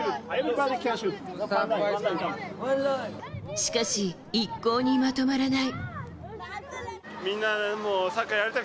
しかし一向にまとまらない。